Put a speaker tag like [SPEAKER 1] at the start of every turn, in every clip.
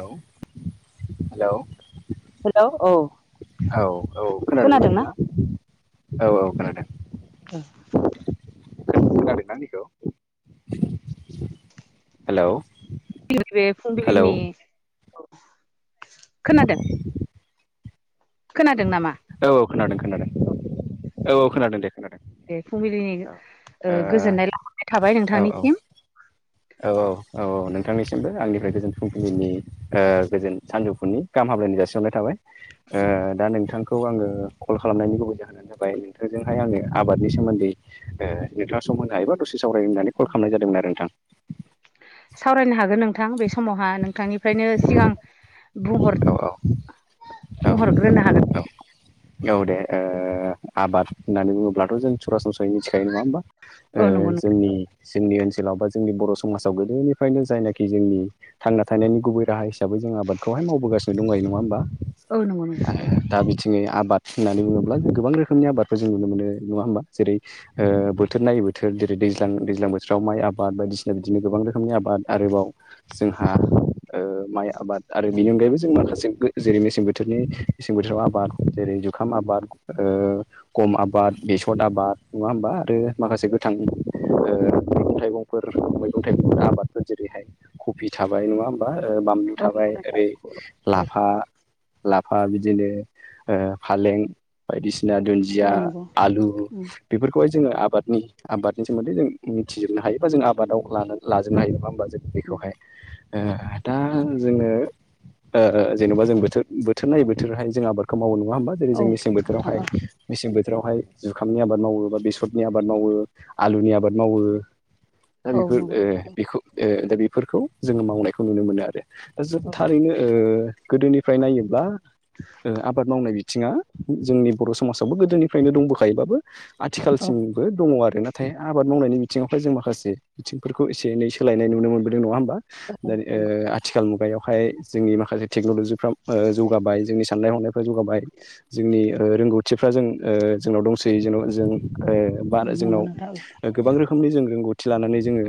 [SPEAKER 1] औ hello
[SPEAKER 2] hello औ।
[SPEAKER 1] औ औ खोनादों ना
[SPEAKER 2] खोनादोंना?
[SPEAKER 1] नोंथाङा औ औ खोनादों [inaudible] हेलौ हेलौ
[SPEAKER 2] फुंबिलिनि खोनादों खोनादों नामा?
[SPEAKER 1] ओ खोनादों खोनादों औ खोनादों दे खोनादों
[SPEAKER 2] दे फुंबिलिनि
[SPEAKER 1] औ ओ
[SPEAKER 2] गोजोननाय लाबोनाय थाबाय
[SPEAKER 1] औ
[SPEAKER 2] नोंथांनिसिम
[SPEAKER 1] औ औ औ औ नोंथांनिसिमबो आंनि फ्राय गोजोन फुंबिलिनि गोजोन सानजौफुनि गाहाम हामलायनाय जासिरनाय थाबाय ओ दा नोंथां खौ आङो कल खालामनायनि गुबैद होनानो जाबाय नोंथांजोंहाय आङो आबादनि सोमोन्दै ओ नोंथाङा समनो हायोब दसे सावरायग होननानै कल खालामनाय जादोंमोन आरो नोंथां।
[SPEAKER 2] सावरायनो हागोन नों थां बे समावहा नोंथांनिफ्रायनो सिगां बुंहर
[SPEAKER 1] औ औ
[SPEAKER 2] बुंहरग्रोनो
[SPEAKER 1] औ
[SPEAKER 2] हागोन
[SPEAKER 1] औ दे ओ आबाद होननानै बुङोब्लाथ' जों सरासनस्रायै मिथिखायो नङा होमबा
[SPEAKER 2] औ
[SPEAKER 1] ओ
[SPEAKER 2] नंगौ नोंथां
[SPEAKER 1] जोंनि जोंनि ओनसोलाव बा जोंनि बर' समाजाव गोदोनिफ्रायनो जायना खि जोंनि थांना थानायनि गुबै राहा हिसाबै जों आबादखौहाय मावबोगासिनो दं जायो नङा होमबा आ दा बिथिङै आबाद होननानै बुङोब्ला जों गोबां रोखोमनि आबादखौ जों नुनो मोनो नङा होमबा जेरै बोथोर नायै बोथोर जेरै दैज्लां दैज्लां बोथोराव माइ आबाद बायदिसिना बिदिनो गोबां रोखोमनि आबाद आरोबाव जोंहा ओ माइ आबाद आरो बेनि अनगायैबो जों माखासे जेरै मेसें बोथोरनि मेंसें बोथोराव आबाद जेरै जुखाम आबाद ओ गम आबाद बेसर आबाद नङा होमबा आरो माखासे गोथां मैगं-थाइगंफोर मैगं-थाइगंफोरा आबादफोर जेरैहाय कफि थाबाय नङा होमबा बानलु
[SPEAKER 2] औ नंगौ
[SPEAKER 1] थाबाय
[SPEAKER 2] नोंथां
[SPEAKER 1] ओरै
[SPEAKER 2] औ
[SPEAKER 1] लाफा लाफा बिदिनो ओ फालें बायदिसि बिना दुन्दिया
[SPEAKER 2] नंगौ नोंथां
[SPEAKER 1] आलु बेफोरखौहाय जोङो आबादनि आबादनि सोमोन्दै जों मिथिजोबनो हायो बा जों आबादाव लाजोबनो हायो नङा होमबा जों बेखौहाय ओ दा जोङो ओ जेनेबा जों बोथोर बोथोर नायै बोथोरहाय जों आबादखौ मावनां ङा हबा जों मेसे बोथोराव मेसें बो थोरावहाय जुखामनि आबाद मावो बा बेसरनि आबाद मावो आलुनि आबाद मावो दा
[SPEAKER 2] औ नंगौ उम औ
[SPEAKER 1] बेफोर ओ
[SPEAKER 2] नोंथां औ
[SPEAKER 1] बेखौ ओ दा बेफोरखौ जोङो मावनायखौ नुनो मोनो आरो दा जोब थारैनो ओ गोदोनिफ्राय नायोब्ला ओ आबाद मावनाय बि थिङा जोंनि बर' समाजावबो गोदोनिफ्रायनो दंबोखायोबाबो
[SPEAKER 2] औ
[SPEAKER 1] आथिखालसिमबो दङ आरोना नाथाय आबाद मावनायनि बिथिङावहाय जों माखासे बिथिंफोरखौ एसे एनै सोलायनाय नुनो मोनबोदों नङा होमबा दा आथिखाल मुगायावहाय जोंनि माखासे टेक्न'लजिफाव जौगाबाय जोंनि साननाय हनायफ्रा जौगाबाय जोंनि रोंगौथिफ्रा जों जोंनाव दंसै जोंनाव जों ओ बा
[SPEAKER 2] नंगौ नोंथां औ
[SPEAKER 1] जोंनाव गोबां रोखोमनि जों रोंगौथि लानानै जोङो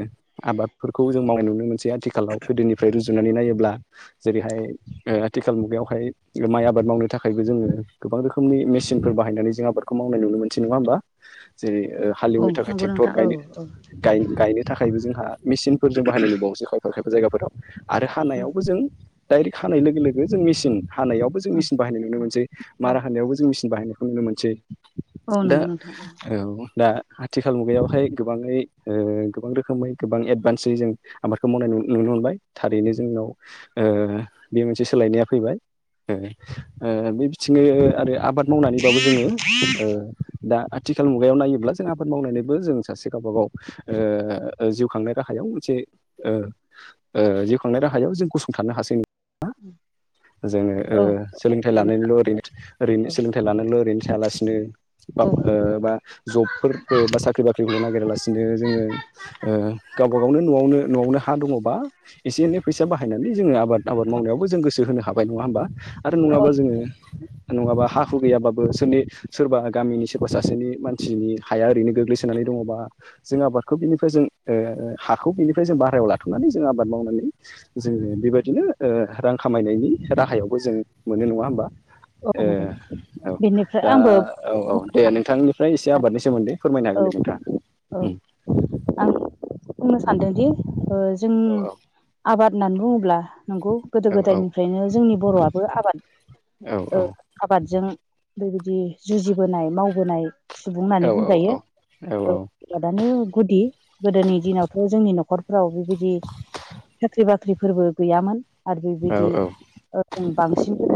[SPEAKER 1] आबाद जों मावनाय नुनो मोनसे आथिखालाव गोदोनिफ्राय रुजुनानै नायोब्ला जेरैहाय ओ आथिखाल मुगायावहाय माइ आबाद मावनो थाखायबो जोङो गोबां रोखोमनि मेसिनफोर बाहायनानै जों आबादखौ मावनाय नुनो मोनसै नङा होमबा। जेरै
[SPEAKER 2] औ उम नंगौ नोंथां औ
[SPEAKER 1] हालेवनो थाखाय
[SPEAKER 2] नंगौ
[SPEAKER 1] ट्रेक्टर
[SPEAKER 2] नोंथां औ उम
[SPEAKER 1] गायनो गायनो थाखायबो जों मेसिनफोरजों बाहायनाय नुबावोसै खायफा खायफा जायगाफोराव आरो हानायावबो जों डायरेक्ट हानाय लोगो जों मेसिन हानायावबो जों
[SPEAKER 2] उम
[SPEAKER 1] मेसिन बाहायनाय नुनो मोनसै
[SPEAKER 2] औ
[SPEAKER 1] मारा होनानायावबो जों मसिन बाहायनायखौ नुनो मोनसै
[SPEAKER 2] औ
[SPEAKER 1] दा
[SPEAKER 2] नंगौ नोंथां
[SPEAKER 1] औ दा आथिखाल मुगायावहाय गोबाङै ओ गोबां रोखोमै गोबां एडभान्सै जों आबादखौ मावनाय नुनो मोनबाय थारैनो जोंनाव ओ बे मोनसे सो लायनाया फैबाय ओ ओ बे बिथिं आरो आबाद मावनानैबाबो जोङो ओ दा आथिखाल मुगायाव नायोब्ला जों आबाद मावनायनिबो जों सासे गावबा गाव ओ जिउ खांनाय राहायाव मोनसे जिउ खांनाय राहायाव जों गसंथानो हासै
[SPEAKER 2] उ
[SPEAKER 1] जोङो सोलोंथाइ लानायल' ओरैनो
[SPEAKER 2] औ
[SPEAKER 1] ओरैनो सोलोंथाइ लानायल' ओरैनो थायालासिनो ब
[SPEAKER 2] औ
[SPEAKER 1] बा जबफोरखौ बा साख्रि बाख्रिफोरखौल' नागिरालासिनो जोङो ओ गावबा गावनो न'आवनो न'आवनो हा दङबा एसे एनै फैसा बाहायनानै जोङो आबाद आबाद माव [unintelligible] जों गोसो होनो हाबाय नङा होमबा आरो
[SPEAKER 2] औ
[SPEAKER 1] नङाबा जोङो नङाबा हा हु गैयाबा बो सोरनि सोरबा गामिनि सोरबा सासेनि मानसिनि हाया ओरैनो गोग्लैसोनानै दङबा जों आबादखौ जों ओ हाखौ बिनिफ्राय जों भारायाव लाथ'नानै जों आबाद मावनानै जोङो बेबायदिनो ओ रां खामायनायनि राहायावबो जों मोनो नङा होमबा
[SPEAKER 2] औ
[SPEAKER 1] ए
[SPEAKER 2] नंगौ
[SPEAKER 1] औ
[SPEAKER 2] बेनिफ्राय
[SPEAKER 1] दा
[SPEAKER 2] आंबो
[SPEAKER 1] औ औ
[SPEAKER 2] बुंनो
[SPEAKER 1] दे नोंथांनिफ्राय एसे
[SPEAKER 2] सानदों
[SPEAKER 1] आबादनि सोमोन्दै फोरमायनो हागोन दे
[SPEAKER 2] औ
[SPEAKER 1] नोंथाङा
[SPEAKER 2] औ
[SPEAKER 1] ओम
[SPEAKER 2] आं बुंनो सानदोंदि जों
[SPEAKER 1] औ औ
[SPEAKER 2] आबाद होननानै बुङोब्ला नंगौ गोदो
[SPEAKER 1] औ
[SPEAKER 2] गोदायनिफ्रायनो जोंनि बर'आबो आबाद
[SPEAKER 1] औ
[SPEAKER 2] ओ आबादजों ओरैबायदि जुजिबोनाय मावबोनाय सुबुं
[SPEAKER 1] औ
[SPEAKER 2] होननानै
[SPEAKER 1] औ
[SPEAKER 2] बुंजायो।
[SPEAKER 1] औ
[SPEAKER 2] ओ
[SPEAKER 1] औ
[SPEAKER 2] आबादानो गुदि गोदोनि दिनावथ' जोंनि न'खर फ्राव बेबायदि साख्रि बाख्रिफोरबो गैयामोन। आरो बेबायदि ओ जों बांसिनबो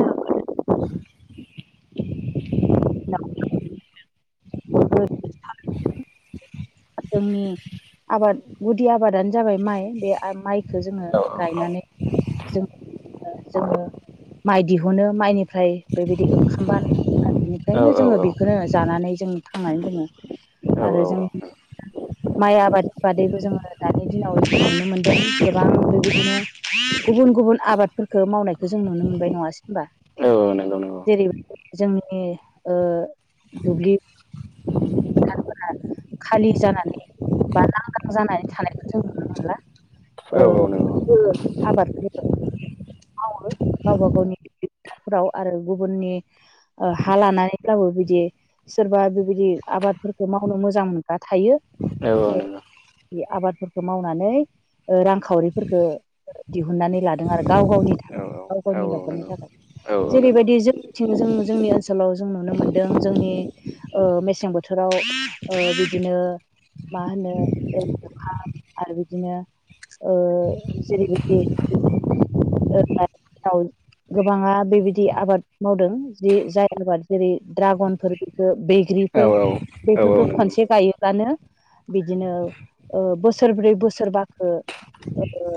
[SPEAKER 1] [inaudible]
[SPEAKER 2] [unintelligible] जोंनि आबाद गुदि आबादानो जाबाय माइ बे माइ जोङो गायनानै जों जोङो माइ दिहुनो माइनि ओमफ्राय बेबायदि ओंखाम बानाय आरो बिनिफ्रायनो जोङो बेखौनो जानानै जों थांनानै दोङो। आरो जों
[SPEAKER 1] [inaudible]
[SPEAKER 2] माइ आबादि बादैबो जोङो दानि दिनाव नुनो मोनदों गोबां बेबायदिनो गुबुन गुबुन आबादफोरखौ मावनायखौ जों नुनो मोनबाय नङासै होनबा?
[SPEAKER 1] औ
[SPEAKER 2] जेरैबायदि जोंनि ओ दुब्लि फोथारफोरा
[SPEAKER 1] [inaudible]
[SPEAKER 2] खालि जानानै बा लांदां जानानै थानायखौ जों नुनो मोनला।
[SPEAKER 1] औ
[SPEAKER 2] ओ
[SPEAKER 1] औ नंगौ
[SPEAKER 2] आबादखौ मावो गावबा गावनि केटाराव आरो गुबुननि हा लानानै मावो बिदि सोरबा बिबायदि आबादफोरखौ मावनो मोजां मोनग्रा थायो।
[SPEAKER 1] औ औ
[SPEAKER 2] ओ
[SPEAKER 1] नंगौ
[SPEAKER 2] बे आबादफोरखौ मावनानै ओ रांखावरिफोरखौ दिहुननानै लादों आरो गाव गावनि
[SPEAKER 1] औ
[SPEAKER 2] थाखाय गाव
[SPEAKER 1] औ
[SPEAKER 2] गावनि
[SPEAKER 1] औ
[SPEAKER 2] न'खरनि
[SPEAKER 1] नंगौ
[SPEAKER 2] थाखाय
[SPEAKER 1] औ औ नंगौ
[SPEAKER 2] जेरैबायदि जोंनिथिं जों जोंनि ओनसोलाव जों नुनो मोनदों जोंनि मेसें बोथोर थोराव ओ बिदिनो मा होनो आरो बिदिनो ओ जेरैबायदि गोबाङा बेबायदि आबाद मावदों जि जाय आबाद जेरै ड्रागनफोर बेखौ
[SPEAKER 1] औ
[SPEAKER 2] बिफोर
[SPEAKER 1] औ औ
[SPEAKER 2] बेफोरखौ
[SPEAKER 1] नंगौ
[SPEAKER 2] खनसे गायोबानो बिदिनो बोसोरब्रै बोसोरबाखो ओ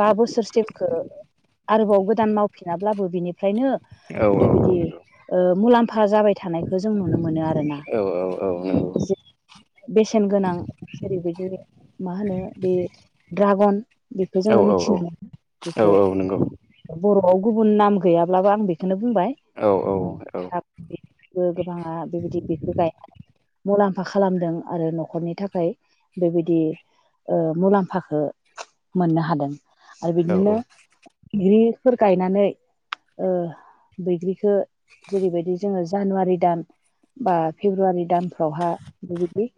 [SPEAKER 2] बा बोसोरसोखौ आरोबाव गोदान मावफिनाब्लाबो बिनिफ्रायनो
[SPEAKER 1] औ
[SPEAKER 2] बेबायदि
[SPEAKER 1] नंगौ
[SPEAKER 2] ओमुलाम्फा जाबाय थानायखौ जों नुनो मोनो आरो ना
[SPEAKER 1] औ नंगौ
[SPEAKER 2] बेसेन गोनां जेरैबायदि मा होनो बे द्रागन बेखौ जों
[SPEAKER 1] औ
[SPEAKER 2] मिथियो नामा
[SPEAKER 1] औ औ नंगौ।
[SPEAKER 2] बर'आव गुबुन नाम गैयाब्लाबो आं बेखौनो बुंबाय।
[SPEAKER 1] औ
[SPEAKER 2] ओ गोबाङा बेबायदि बेखौ गायनानै मुलाम्फा खालामदों आरो न'खरनि थाखाय बेबायदि ओ मुलाम्फाखौ मोननो हादों आरो
[SPEAKER 1] औ
[SPEAKER 2] बिदिनो ग्रिफोर गायनानै ओ बैग्रिखौ जेरैबायदि जोङो जानुवारि दान बा फेब्रुवारि दानफ्रावहा बेबायदि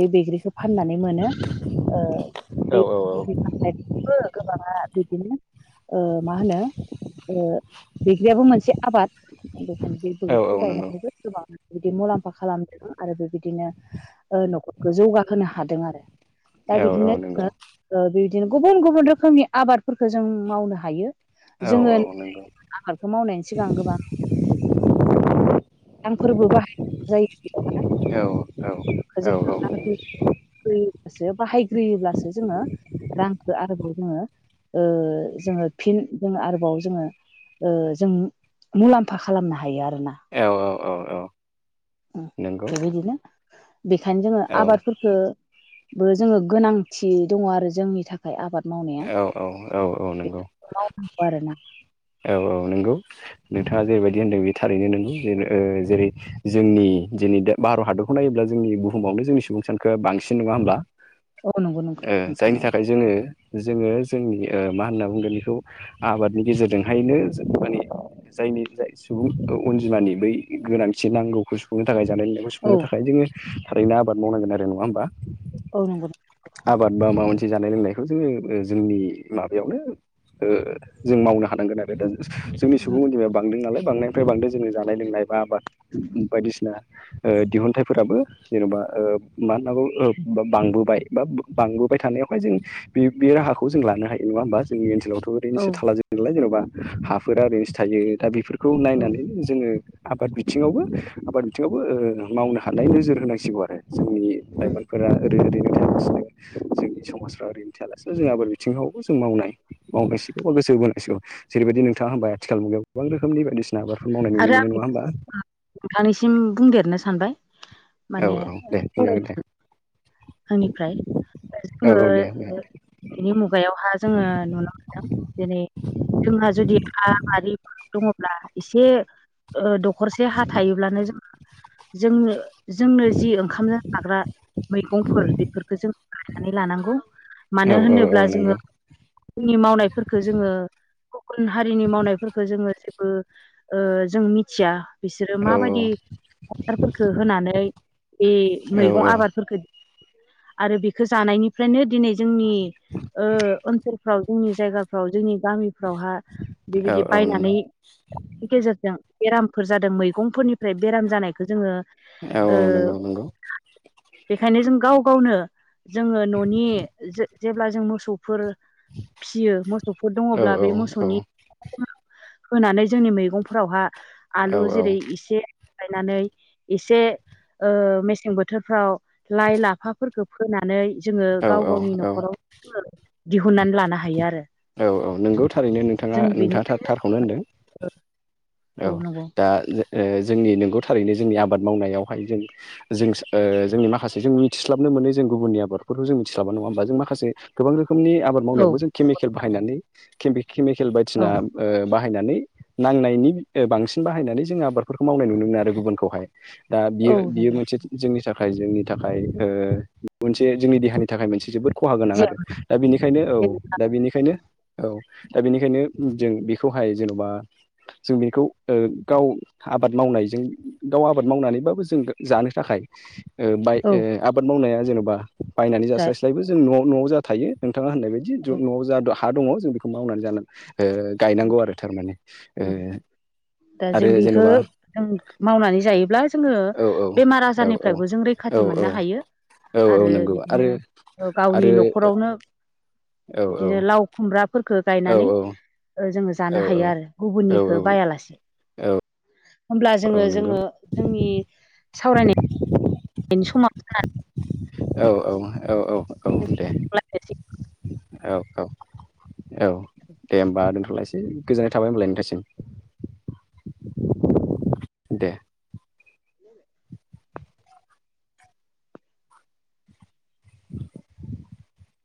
[SPEAKER 2] बे बैग्रिखौ फाननानै मोनो ओ।
[SPEAKER 1] औ औ औ।
[SPEAKER 2] [unintelligible] बो गोबांङा बिदिनो ओ मा होनो ओ बैग्रियाबो मोनसे आबाद बेखायनो बे
[SPEAKER 1] औ
[SPEAKER 2] बैग्रिखौ
[SPEAKER 1] औ नंगौ
[SPEAKER 2] गायनानैबो गोबां बिदि मुलाम्फा खालामदों आरो बेबायदिनो ओ न'खरखौ जौगाहोनो हादों आरो दा
[SPEAKER 1] औ औ
[SPEAKER 2] बिदिनो
[SPEAKER 1] नंगौ
[SPEAKER 2] जोङो ओ बेबायदिनो गुबुन गुबुन रोखोमनि आबादफोरखौ जों मावनो हायो।
[SPEAKER 1] औ
[SPEAKER 2] जोङो
[SPEAKER 1] औ
[SPEAKER 2] आबादखौ मावनायनि सिगां गोबां [unintelligible] फोरबो बाहायनाय जायो बेयाव [unintelligible] होयोसो बाहायग्रोयोब्लासो जोङो रांखौ आरोबाव जोङो ओ जोङो फिन जों आरोबाव जोङो ओ जों मुलाम्फा खालामनो हायो आरोना।
[SPEAKER 1] औ औ नंगौ औ
[SPEAKER 2] उम बेबायदिनो बेखायनो जोङो आबादफोरखौ बो जोङो गोनांथि दङ आरो जोंनि थाखाय आबाद मावनाया।
[SPEAKER 1] औ औ नंगौ।
[SPEAKER 2] बेखौ मावनांगौ आरो ना
[SPEAKER 1] औ औ नंगौ नोंथाङा जेरैबायदि होन्दों बे थारैनो नंगौ ओ जे जेरै जोंनि जिनै दा भारत हादरखौ नायोब्ला जोंनि बुहुमावनो जोंनि सुबुं सानखोआ बांसिन नङा होमब्ला?
[SPEAKER 2] औ नंगौ नंगौ
[SPEAKER 1] ओ
[SPEAKER 2] नोंथां
[SPEAKER 1] जायनि
[SPEAKER 2] औ
[SPEAKER 1] थाखाय जोङो जोङो जोंनि ओ मा होनना बुंगोन बेखौ आबादनि गेजेरजोंहायनो जों माने जायनि जाय सुबुं अनजिमानि बै गोनांथि नांगौखौ सुफुंनो थाखाय जानाय लोंनायखौ
[SPEAKER 2] औ
[SPEAKER 1] सुुफुंनो थाखाय जोङो थारैनो आबाद मावनांगोन आरो नङा होमबा?
[SPEAKER 2] औ नंगौ
[SPEAKER 1] आबाद बा माबा मोनसे जानाय लोंनायखौ जोङो जोंनि माबायावनो ओ जों मावनो हानांगोन आरो। [unintelligible] सुबुं अनजिमाया बांदों नालाय बांनायनिफ्राय बांदों जोङो जानाय लोंनाय बा आबाद बायदिसिना ओ दिहुनथाइफोराबो जेन'बा ओ मा होननांगौ बांबोबाय बा बांबोबाय थानायावहाय जों बे बे राहाखौ जों लानो हायो नङा होमबा जोंनि ओनसोलाव
[SPEAKER 2] औ
[SPEAKER 1] ओरैनोसो थाला जोबोलाय जेन'बा हाफोरा ओरैनोसो थायो। दा बेफोरखौ
[SPEAKER 2] औ
[SPEAKER 1] नायनानै जोङो आबाद बिथिङावबो आबाद बिथिङावबो ओ मावनो हानाय नोजोर होनांसिगौ आरो। जोंनि
[SPEAKER 2] उम
[SPEAKER 1] लाइमोनफोरा ओरै ओरैनो थागासिनो जोंनि समाजफ्रा ओरैनो थायालासिनो जों आबाद बिथिङावबो जों मावनो हायो मावनांसिगौ बा गोसो बोनांसिगौ जों बेबादि नोंथाङा होनबाय आथिखाल मुगायाव गोबां रोखोमनि बायदिसिना आबादफोर मावनाय नुनो
[SPEAKER 2] आरो
[SPEAKER 1] मोनो
[SPEAKER 2] आं
[SPEAKER 1] नङा
[SPEAKER 2] [unintelligible]
[SPEAKER 1] होमबा
[SPEAKER 2] नोंथांनिसिम बुंदेरनो सानबाय।
[SPEAKER 1] औ
[SPEAKER 2] माने
[SPEAKER 1] औ दे बुंजागोन दे
[SPEAKER 2] [unintelligible] आंनिफ्राय
[SPEAKER 1] औ
[SPEAKER 2] जोङो
[SPEAKER 1] औ दे
[SPEAKER 2] बेनि मुगायावहा जोङो नुनो मोनदों जेरै जोंहा जुदि हा बारिफोर दङब्ला एसे ओ दखरसे हा थायोब्लानो जोङो जोंनो जोंनो जि ओंखाम जाग्रा मैगं फोर बेफोरखौ जों गायनानै लानांगौ
[SPEAKER 1] औ
[SPEAKER 2] मानो
[SPEAKER 1] औ औ
[SPEAKER 2] होनोब्ला
[SPEAKER 1] नंगौ
[SPEAKER 2] जोङो जोंनि मावनायफोरखौ जोङो गुबुन हारिनि मावनायफोरखौ जोङो ओ ओ जों मिथिया बिसोरो
[SPEAKER 1] औ
[SPEAKER 2] माबायदि हासारफोरखौ होनानै बे
[SPEAKER 1] औ
[SPEAKER 2] मैगं आबादफोरखौ आरो बेखौ जानायनिफ्रायनो दिनै जोंनि ओ ओनसोल फ्राव जोंनि जायगाफ्राव जोंनि गामि फ्रावहा बेबायदि
[SPEAKER 1] औ औ नंगौ
[SPEAKER 2] बायनानै गेजेरजों बेरामफोर जादों मैगंफोरनिफ्राय बेराम जानायखौ जोङो
[SPEAKER 1] औ
[SPEAKER 2] ओ
[SPEAKER 1] औ नंगौ नंगौ
[SPEAKER 2] बेखायनो जों गाव गावनो जोङो न'नि जेब्ला जों मोसौफोर फियो मोसौफोर
[SPEAKER 1] औ
[SPEAKER 2] दङब्ला
[SPEAKER 1] औ
[SPEAKER 2] बे
[SPEAKER 1] औ
[SPEAKER 2] मोसौनि होनानै जोंनि मैगंफोरावहा आलु
[SPEAKER 1] औ
[SPEAKER 2] जेरै -एसे गायनानै एसे ओ मेसें बोथोरफ्राव लाइ लाफा फोरख फोनानै जोङो
[SPEAKER 1] औ
[SPEAKER 2] गाव गावनि
[SPEAKER 1] औ
[SPEAKER 2] न'खराव दिहुननानै लानो हायो आरो
[SPEAKER 1] औ औ नोंगौ थारैनो नोंथाङा
[SPEAKER 2] ।जों
[SPEAKER 1] नोंथाङा
[SPEAKER 2] बेनिफ्राय [inaudible]
[SPEAKER 1] थारखौनो होनदों औ दा ओ जोंनि नंगौ थारैनो जोंनि आबाद मावनायावहाय जों जों ओ जोंनि माखासे जों मिथिस्लाबनो मोनि गुबनि आबादफोरखौ जों मिथिला नङा होमबा जों माखासे गोबां रो खोमनि आबद
[SPEAKER 2] औ
[SPEAKER 1] मावनायावबो जों केमिकेल बाहायनानै केमिकेल
[SPEAKER 2] औ
[SPEAKER 1] बायदिसिना ओ बा बाहायनानै नांनायनि बांसिन बाहायनानै जोंङो आबादफोरखौ मावनाय नुनो मोनो आरो गुबुनखौहाय। दा
[SPEAKER 2] औ
[SPEAKER 1] बियो बियो
[SPEAKER 2] नंगौ औ
[SPEAKER 1] मोनसे जोंनि था खाय जोंनि थाखाय ओ मोनसे जोंनि देहानि थाखाय मोनसे जोबोद खहा गोनां आरो दा बेनिखायनो औ दा बेनिखायनो औ दा बेनिखायनो जों बेखौहाय जेन'बा जों बेखौ ओ गाव आबाद मावनायजों गाव आबाद मावनानैबाबो जों जानो थाखाय ओ बाय ओ आबाद मावनाया जेन'बा बायनानै
[SPEAKER 2] जा
[SPEAKER 1] जास्लायस्लायबो जों न'आव न'आव जोहा थायो नोंथाङा होननाय बायदि ज न'आव जा हा दङ जों बेखौ मावनानै जानांगौ ओ गायनांगौ आरो थारमाने ओ
[SPEAKER 2] औ दा जों
[SPEAKER 1] आरो
[SPEAKER 2] बेखौ
[SPEAKER 1] जेन'बा
[SPEAKER 2] जों मावनानै जायोब्ला जोङो
[SPEAKER 1] औ औ
[SPEAKER 2] बेमार
[SPEAKER 1] औ औ
[SPEAKER 2] आजारनिफ्रायबो जों रैखा
[SPEAKER 1] औ
[SPEAKER 2] खाथि मोननो हायो
[SPEAKER 1] औ औ
[SPEAKER 2] आरो
[SPEAKER 1] नंगौ आरो
[SPEAKER 2] बिदिनो गावनि
[SPEAKER 1] आरो
[SPEAKER 2] न'खरावनो
[SPEAKER 1] औ
[SPEAKER 2] बिदिनो लाव खुमब्राफोरफोरखौ
[SPEAKER 1] औ
[SPEAKER 2] गायनानै जों जानो
[SPEAKER 1] औ
[SPEAKER 2] हायो आरो
[SPEAKER 1] औ
[SPEAKER 2] गुबुननिखौ लासे। होमब्ला
[SPEAKER 1] औ
[SPEAKER 2] जोङो
[SPEAKER 1] नंगौ
[SPEAKER 2] जोङो जोंनि सावरायनाय बेनि समा [unintelligible]
[SPEAKER 1] औ औ औ औ औ दे
[SPEAKER 2] समाव
[SPEAKER 1] औ औ औ दे होमबा दोनथ'लायसै गोजोननाय थाबाय होनोमबालाय नोंथासिम। दे
[SPEAKER 2] [inaudible]
[SPEAKER 1] [inaudible]